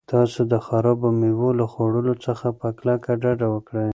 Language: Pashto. تاسو د خرابو مېوو له خوړلو څخه په کلکه ډډه وکړئ.